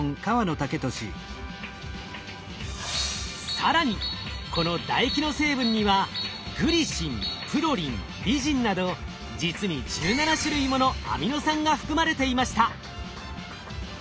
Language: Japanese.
更にこの唾液の成分にはグリシンプロリンリジンなど実に１７種類ものアミノ酸が含まれていました。